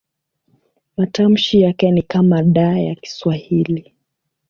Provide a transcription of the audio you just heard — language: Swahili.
Matamshi yake ni kama D ya Kiswahili.